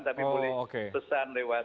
tapi boleh pesan lewat